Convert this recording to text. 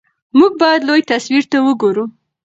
موږ باید لوی تصویر ته وګورو.